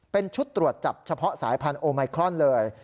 เป็นชุดตรวจจับเฉพาะสายพันธุไมครอนเลย